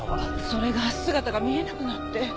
それが姿が見えなくなって。